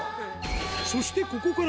そしてここから